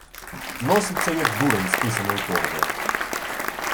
Носиться, як дурень з писаною торбою.